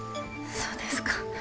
そうですか。